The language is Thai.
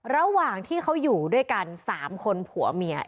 ระหว่างที่เขาอยู่ด้วยกัน๓คนผัวเมีย